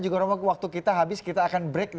persoalannya juga waktu kita habis kita akan break